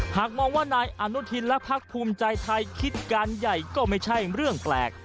หากมองว่านายอนุทินและพักภูมิใจไทยคิดการใหญ่ก็ไม่ใช่เรื่องแปลก